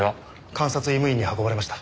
監察医務院に運ばれました。